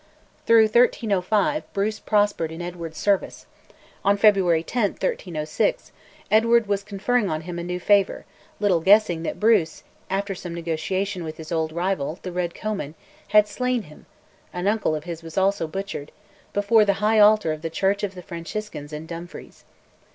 Through 1305 Bruce prospered in Edward's service, on February 10, 1306, Edward was conferring on him a new favour, little guessing that Bruce, after some negotiation with his old rival, the Red Comyn, had slain him (an uncle of his was also butchered) before the high altar of the Church of the Franciscans in Dumfries.